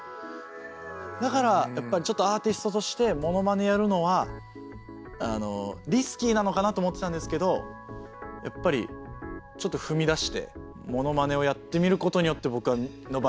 だからやっぱりちょっとアーティストとしてモノマネやるのはリスキーなのかなと思ってたんですけどやっぱりちょっと踏み出してモノマネをやってみることによって僕の場合道が開けたので。